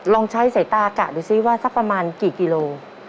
ลองใช้สายตากะดูซิว่าสักประมาณกี่กิโล